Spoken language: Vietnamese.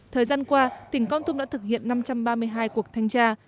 thời gian qua tỉnh con tum đã thực hiện năm trăm ba mươi hai cuộc thanh tra